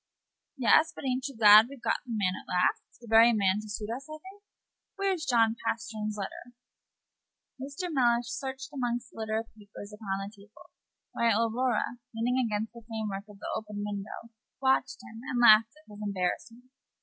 "Yes; but a'n't you glad we've got the man at last the very man to suit us, I think? Where's John Pastern's letter?" Mr. Mellish searched among the litter of papers upon the table, while Aurora, leaning against the frame work of the open window, watched him, and laughed at his embarrassment.